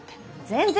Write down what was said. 全然。